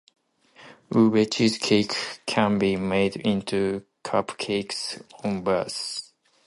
Ube cheesecake can be made into cupcakes or bars.